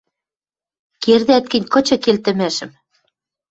— Кердӓт гӹнь, кычы келтӹмӓшӹм!